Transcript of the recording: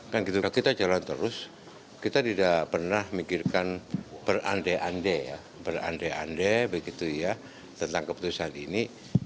kalau kita jalan terus kita tidak pernah mikirkan berande ande ya berande ande begitu ya tentang keputusan ini